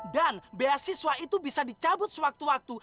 dan beasiswa itu bisa dicabut sewaktu waktu